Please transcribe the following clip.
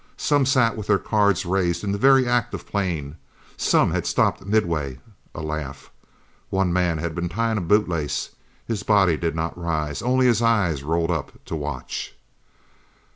Some sat with their cards raised in the very act of playing. Some had stopped midway a laugh. One man had been tying a bootlace. His body did not rise. Only his eyes rolled up to watch.